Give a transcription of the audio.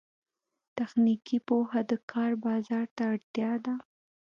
تخنیکي پوهه د کار بازار ته اړتیا ده